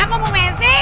emma udah mau besiin